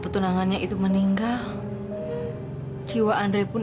tapi ternyata gue selalu melihat ibu sayang sayang